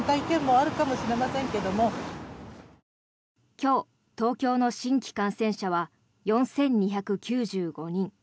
今日、東京の新規感染者は４２９５人。